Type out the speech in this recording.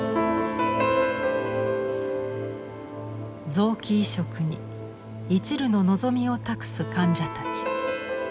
臓器移植にいちるの望みを託す患者たち。